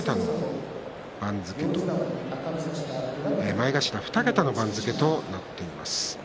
前頭２桁の番付となっています。